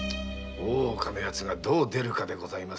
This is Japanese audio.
大岡の奴がどう出るかでございますな。